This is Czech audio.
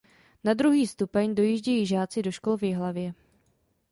Na druhý stupeň dojíždějí žáci do škol v Jihlavě.